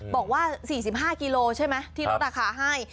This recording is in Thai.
บอกว่า๔๕กิโลใช่ไหมที่ลดราคาให้